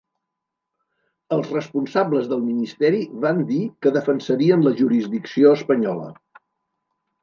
Els responsables del ministeri van dir que defensarien la jurisdicció espanyola.